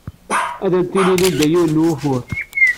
Ad am-d-tini Linda yiwen n wufur.